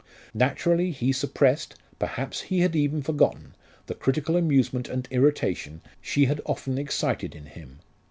Naturally he suppressed, perhaps he had even forgotten, the critical amusement and irritation she had often excited in him.